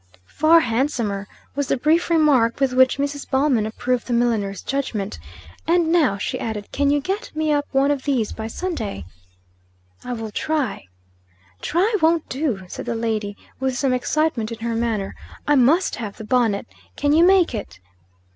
"Far handsomer," was the brief remark with which Mrs. Ballman approved the milliner's judgment. "And now," she added, "can you get me up one of these by Sunday?" "I will try." "Try won't do," said the lady, with some excitement in her manner. "I must have the bonnet. Can you make it?"